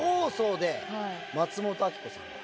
松本明子さんは。